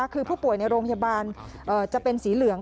คือผู้ป่วยในโรงพยาบาลจะเป็นสีเหลือง